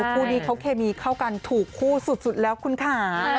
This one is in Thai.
คู่นี้เขาเคมีเข้ากันถูกคู่สุดแล้วคุณค่ะ